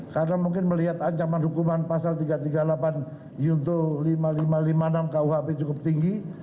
karena mungkin melihat ancaman hukuman pasal tiga ratus tiga puluh delapan yuntuh lima ribu lima ratus lima puluh enam kuhp cukup tinggi